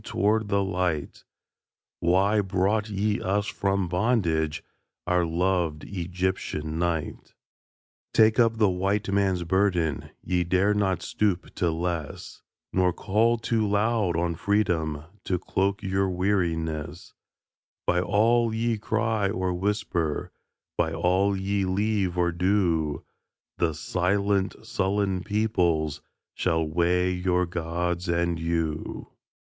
toward the light: "Why brought ye us from bondage, Our loved Egyptian night?" Take up the White Man's burden Ye dare not stoop to less Nor call too loud on Freedom To cloak your weariness; By all ye cry or whisper, By all ye leave or do, The silent, sullen peoples Shall weigh your Gods and you.